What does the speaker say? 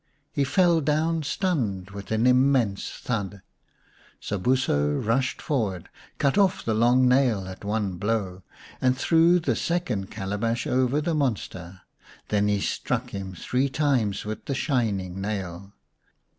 He fell down stunned, with an immense thud. Sobuso rushed forward, cut off the long nail at one blow, 185 The Story of Semai mai xv and threw the second calabash over the monster. Then he struck him three times with the shining nail.